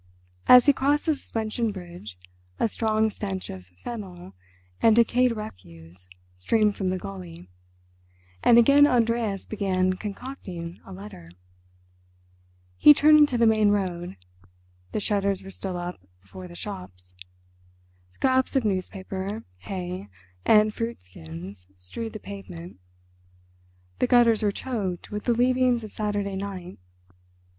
As he crossed the suspension bridge a strong stench of fennel and decayed refuse streamed from the gulley, and again Andreas began concocting a letter. He turned into the main road. The shutters were still up before the shops. Scraps of newspaper, hay, and fruit skins strewed the pavement; the gutters were choked with the leavings of Saturday night.